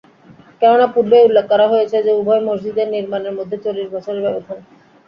কেননা পূর্বেই উল্লেখ করা হয়েছে যে, উভয় মসজিদের নির্মাণের মধ্যে চল্লিশ বছরের ব্যবধান।